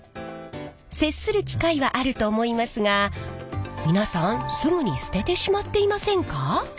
接する機会はあると思いますが皆さんすぐに捨ててしまっていませんか？